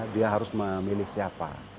dia harus memilih siapa